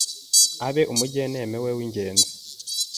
ebe umujyeneme we mugenzi we.”